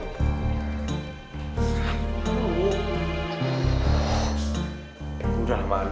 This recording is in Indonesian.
eh udah amat